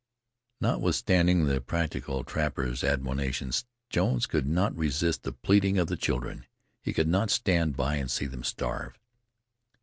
Notwithstanding the practical trapper's admonition Jones could not resist the pleading of the children. He could not stand by and see them starve.